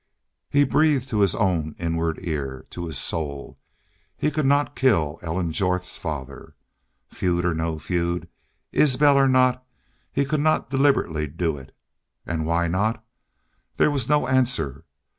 He breathed to his own inward ear, to his soul he could not kill Ellen Jorth's father. Feud or no feud, Isbel or not, he could not deliberately do it. And why not? There was no answer.